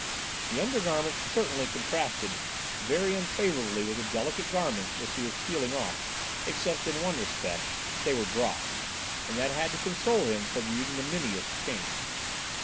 The undergarments certainly contrasted very unfavourably with the delicate garments which he was peeling off, excepting in one respect; they were dry; and that had to console him for the ignominious change.